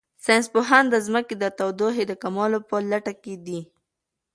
ساینس پوهان د ځمکې د تودوخې د کمولو په لټه کې دي.